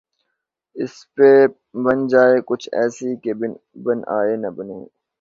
اس پہ بن جائے کچھ ایسی کہ بن آئے نہ بنے